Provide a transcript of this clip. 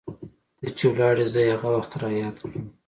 ته چې ولاړي زه هغه وخت رایاد کړم